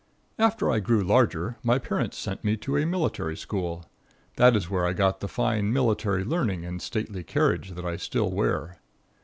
After I grew larger, my parents sent me to a military school. That is where I got the fine military learning and stately carriage that I still wear.